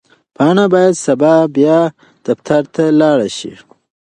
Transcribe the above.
پاڼه باید سبا بیا دفتر ته لاړه شي.